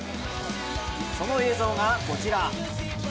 この映像がこちら。